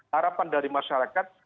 harapan dari masyarakat